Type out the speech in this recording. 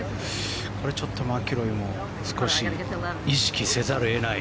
これちょっとマキロイも少し意識せざるを得ない。